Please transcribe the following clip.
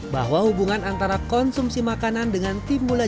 bahwa hubungan antara konsumsi makanan dengan timbulan